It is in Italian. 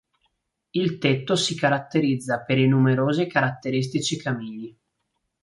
Il tetto si caratterizza per i numerosi e caratteristici camini.